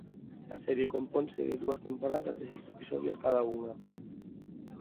A serie componse de dúas temporadas de seis episodios cada unha.